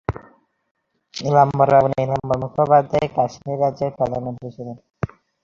নীলাম্বরবাবু নীলাম্বর মুখোপাধ্যায়, কাশ্মীর রাজ্যের প্রধানমন্ত্রী ছিলেন।